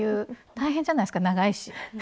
大変じゃないですか長いし。